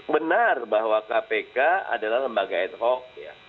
benar bahwa kpk adalah lembaga ad hoc